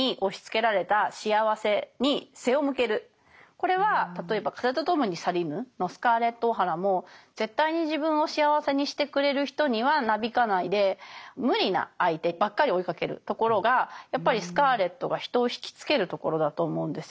これは例えば「風と共に去りぬ」のスカーレット・オハラも絶対に自分を幸せにしてくれる人にはなびかないで無理な相手ばっかり追いかけるところがやっぱりスカーレットが人を惹きつけるところだと思うんですよ。